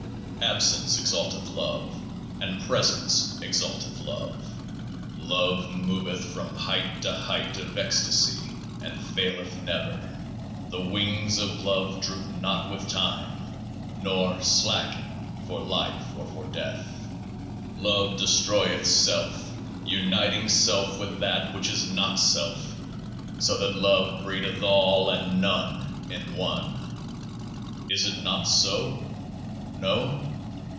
Absence exalteth love, and presence exalteth love. Love moveth ever from height to height of ecstasy and faileth never. The wings of love droop not with time, nor slacken for life or for death. Love destroyeth self, uniting self with that which is not self, so that Love breedeth All and None in One. Is it not so? ... No?